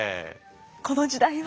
この時代は。